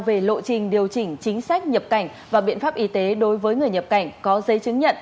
về lộ trình điều chỉnh chính sách nhập cảnh và biện pháp y tế đối với người nhập cảnh có giấy chứng nhận